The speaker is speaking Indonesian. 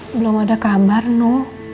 belum ada kabar no